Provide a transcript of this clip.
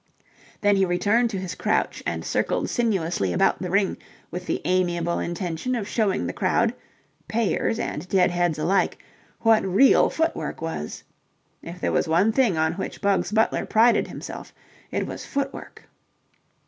Then he returned to his crouch and circled sinuously about the ring with the amiable intention of showing the crowd, payers and deadheads alike, what real footwork was. If there was one thing on which Bugs Butler prided himself, it was footwork.